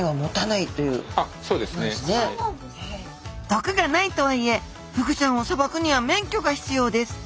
毒がないとはいえフグちゃんをさばくには免許が必要です。